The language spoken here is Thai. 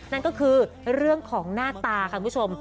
นั่นก็คือเรื่องของหน้าตาค่ะคุณผู้ชม